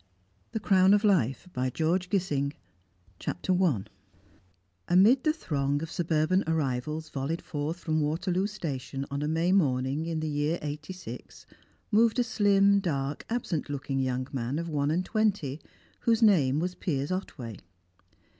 THE CROWN OF LIFE by George Gissing CHAPTER I Amid the throng of suburban arrivals volleyed forth from Waterloo Station on a May morning in the year '86, moved a slim, dark, absent looking young man of one and twenty, whose name was Piers Otway.